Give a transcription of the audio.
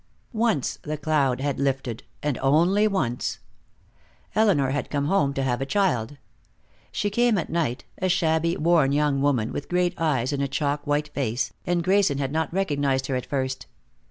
Once the cloud had lifted, and only once. Elinor had come home to have a child. She came at night, a shabby, worn young woman, with great eyes in a chalk white face, and Grayson had not recognized her at first.